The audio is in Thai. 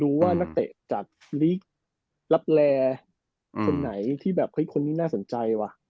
ว่านักเตะจากลีกรับแลคนไหนที่แบบเฮ้ยคนนี้น่าสนใจว่ะ